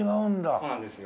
そうなんですよ。